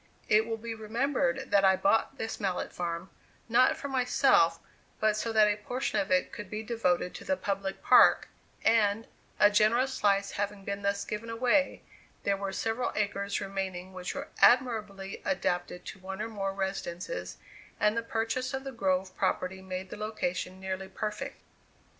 It will be remembered that I bought this Mallett farm, not for myself, but so that a portion of it could be devoted to the public park; and, a generous slice having been thus given away, there were several acres remaining which were admirably adapted to one or more residences, and the purchase of the grove property made the location nearly perfect.